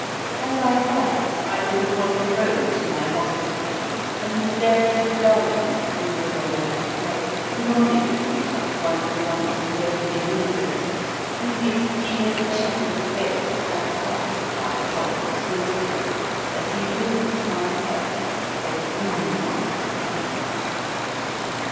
As I write, I look across the road to my Hospital, and there is the darling (who has gone over to play) nodding at me out of one of the once lonely windows, with his dear chubby face backed up by Trottle's waistcoat as he lifts my pet for "Grandma" to see.